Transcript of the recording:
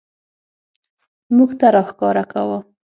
موږ ته راښکاره کاوه.